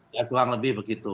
ya doang lebih begitu